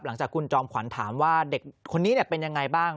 หลังจากคุณจอมขวัญถามว่าเด็กคนนี้เป็นยังไงบ้าง